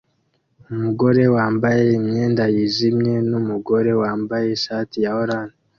Umugore wambaye imyenda yijimye numugore wambaye ishati ya orange